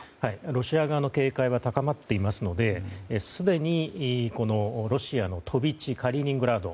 ロシア側の警戒は高まっていますのですでに、ロシアの飛び地カリーニングラード